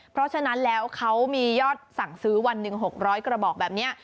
เพราะฉะนั้นแล้วเขามียอดสั่งซื้อวันหนึ่ง๖๐๐กระบอกแบบนี้